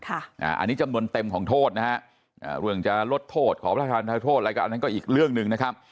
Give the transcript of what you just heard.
อันนี้จำนวนเต็มของโทษนะครับเรื่องจะลดโทษของสำประธานทางโทษแล้วก็อีกเรื่องหนึ่งนะครับ